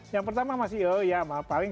yang pertama masih oh iya paling